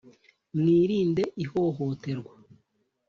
Mwirinde ihohoterwa.